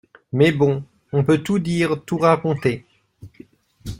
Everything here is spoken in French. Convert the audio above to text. Mais bon, on peut tout dire, tout raconter.